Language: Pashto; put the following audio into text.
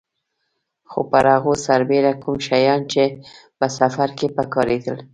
خو پر هغه سربېره کوم شیان چې په سفر کې په کارېدل.